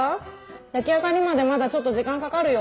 焼き上がりまでまだちょっと時間かかるよ。